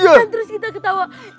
dan terus kita ketawa